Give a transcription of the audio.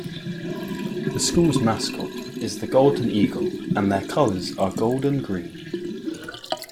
The school's mascot is the golden eagle and their colors are gold and green.